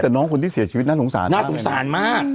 ่ะแต่น้องคนที่เสียชีวิตน่าสงสารมาก